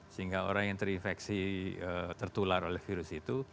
sehingga orang yang terinfeksi tertular oleh virus itu